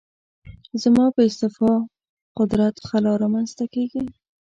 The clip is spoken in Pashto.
زما په استعفا قدرت خلا رامنځته کېږي.